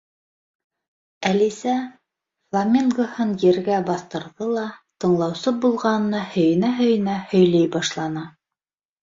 Әлисә фламингоһын ергә баҫтырҙы ла, тыңлаусы булғанына һөйөнә-һөйөнә һөйләй башланы.